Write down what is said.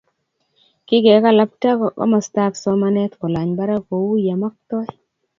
Kikekalbta komastab somanet kolany barak kouyo maktoi